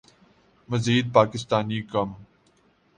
مزید پاکستانی کم